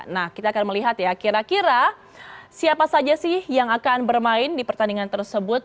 nah kita akan melihat ya kira kira siapa saja sih yang akan bermain di pertandingan tersebut